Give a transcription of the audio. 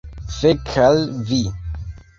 Fek' al vi